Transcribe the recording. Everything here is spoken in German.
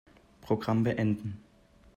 Programm beenden.